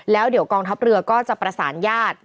แล้วเดี๋ยวกองทัพเรือก็จะประสานญาติ